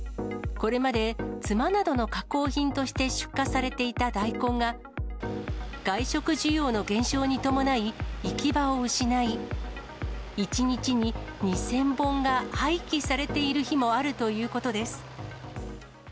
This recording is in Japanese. これまでツマなどの加工品として出荷されていた大根が、外食需要の減少に伴い、行き場を失い、１日に２０００本が廃棄されている日もあるということです。